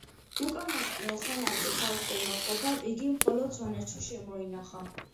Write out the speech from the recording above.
უკანასკნელ ხანამდე ხალხურმა ყოფამ იგი მხოლოდ სვანეთში შემოინახა.